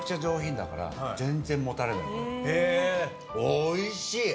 おいしい！